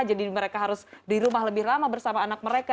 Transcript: jadi mereka harus di rumah lebih lama bersama anak mereka